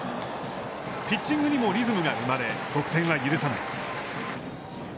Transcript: ピッチングにもリズムが生まれ、得点は許さない。